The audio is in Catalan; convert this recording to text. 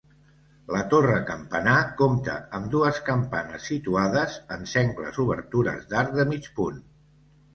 La torre campanar compta amb dues campanes situades en sengles obertures d'arc de mig punt.